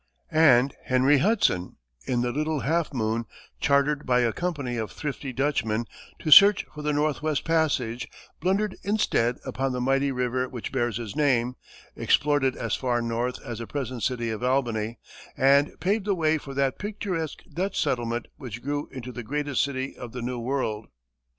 And Henry Hudson, in the little Half Moon, chartered by a company of thrifty Dutchmen to search for the northwest passage, blundered instead upon the mighty river which bears his name, explored it as far north as the present city of Albany, and paved the way for that picturesque Dutch settlement which grew into the greatest city of the New World.